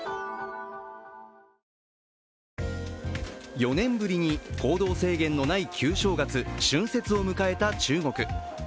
４年ぶりに行動制限のない旧正月春節を迎えた中国。